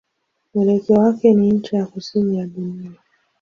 Mwelekeo wake ni ncha ya kusini ya dunia.